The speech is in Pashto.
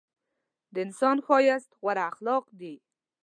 د انسان ښایست غوره اخلاق دي.